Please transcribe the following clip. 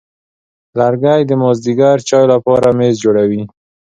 لرګی د مازېګر چای لپاره میز جوړوي.